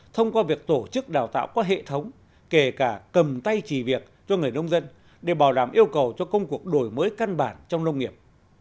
thông qua việc tổ chức đào tạo qua hệ thống kể cả cầm tay chỉ việc cho người nông dân để bảo đảm yêu cầu cho công cuộc đổi mới căn bản trong nông nghiệp